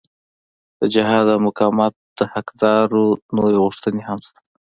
د جهاد او مقاومت د حقدارو نورې غوښتنې هم شته.